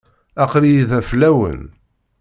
Aql-iyi da fell-awen.